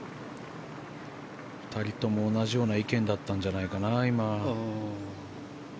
２人とも同じような意見だったんじゃないかな、今。